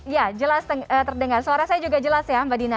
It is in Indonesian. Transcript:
ya jelas terdengar suara saya juga jelas ya mbak dina